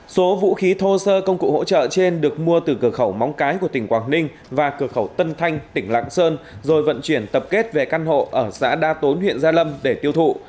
số vũ khí thô sơ công cụ hỗ trợ trên được mua từ cửa khẩu móng cái của tỉnh quảng ninh và cửa khẩu tân thanh tỉnh lạng sơn rồi vận chuyển tập kết về căn hộ ở xã đa tốn huyện gia lâm để tiêu thụ